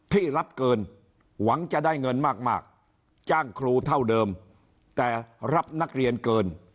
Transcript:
ที่รับเกินหวังจะได้เงินมากจ้างครูเท่าเดิมแต่รับนักเรียนเกิน